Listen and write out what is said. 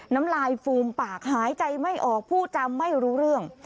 น้ำลายฟูมปากหายใจไม่ออกผู้จำไม่รู้เรื่อง